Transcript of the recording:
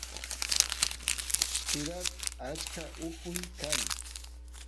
turat achka ujuy kan